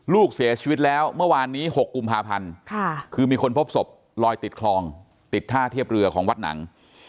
ลูกเสียชีวิตแล้วเมื่อวานนี้๖กุมภาพันธ์คือมีคนพบศพลอยติดคลองติดท่าเทียบเรือของวัดหนัง